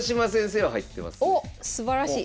おっすばらしい。